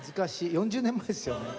４０年前ですよ。